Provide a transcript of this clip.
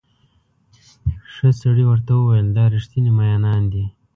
ښه سړي ورته وویل دا ریښتیني مئینان دي.